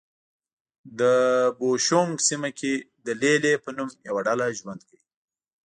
د بوشونګ سیمه کې د لې لې په نوم یوه ډله ژوند کوي.